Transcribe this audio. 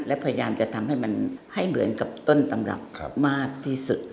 และพยายามจะทำให้มันให้เหมือนกับต้นตำรับมากที่สุด